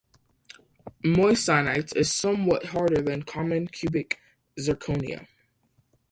Moissanite is somewhat harder than common cubic zirconia.